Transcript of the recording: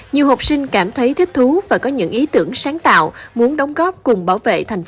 nhiều học sinh cảm thấy thích thú và có những ý tưởng sáng tạo muốn đóng góp cùng bảo vệ tp hcm